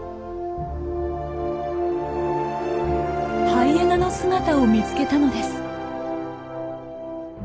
ハイエナの姿を見つけたのです。